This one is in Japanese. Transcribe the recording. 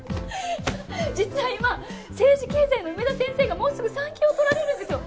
実は今政治経済の梅田先生がもうすぐ産休を取られるんですよ。